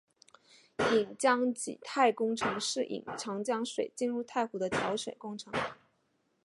引江济太工程是引长江水进入太湖的调水工程。